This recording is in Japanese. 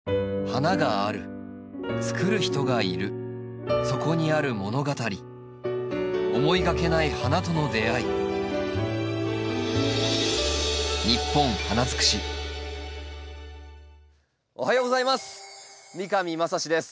花があるつくる人がいるそこにある物語思いがけない花との出会いおはようございます。